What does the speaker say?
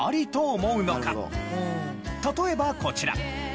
例えばこちら。